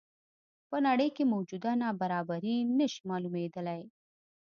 په نړۍ کې موجوده نابرابري نه شي معلومېدلی.